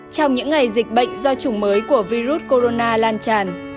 trong những ngày dịch bệnh do chủng mới của virus corona lan tràn